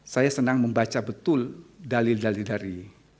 saya senang membaca betul dalil dalil dari